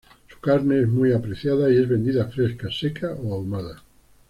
Su carne es muy apreciada y es vendida fresca, seca o ahumada.